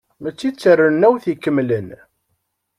Mačči d tarennawt ikemlen.